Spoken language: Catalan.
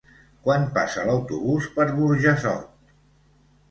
Quan passa l'autobús per Burjassot?